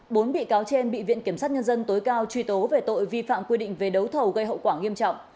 bốn bị cáo trên bị viện kiểm sát nhân dân tối cao truy tố về tội vi phạm quy định về đấu thầu gây hậu quả nghiêm trọng